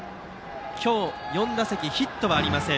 今日、４打席ヒットはありません。